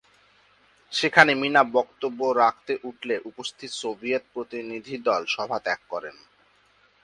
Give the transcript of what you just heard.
সেখানে মীনা বক্তব্য রাখতে উঠলে উপস্থিত সোভিয়েত প্রতিনিধিদল সভা ত্যাগ করেন।